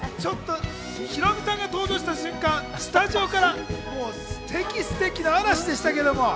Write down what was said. ヒロミさんが登場した瞬間、スタジオからステキ、ステキの嵐でした。